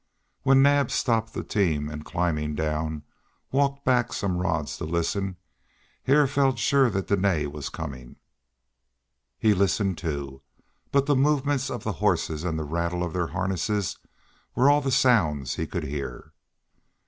When Naab stopped the team and, climbing down, walked back some rods to listen, Hare felt sure that Dene was coming. He listened, too, but the movements of the horses and the rattle of their harness were all the sounds he could hear.